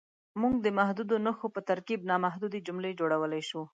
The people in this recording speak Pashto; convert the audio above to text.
موږ د محدودو نښو په ترکیب نامحدودې جملې جوړولی شو.